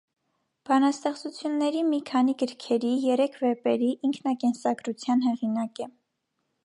Բանաստեղծությունների մի քանի գրքերի, երեք վեպերի, ինքնակենսագրության հեղինակ է։